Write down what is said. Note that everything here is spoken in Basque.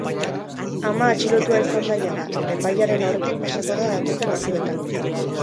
Ama atxilotua izan da jada eta epailearen aurretik pasako da datozen orduetan.